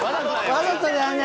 ・わざとやもんな？